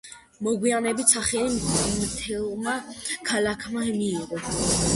მოგვიანებით სახელი მთელმა ქალაქმა მიიღო.